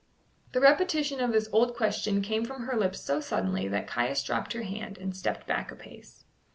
The repetition of this old question came from her lips so suddenly that Caius dropped her hand and stepped back a pace.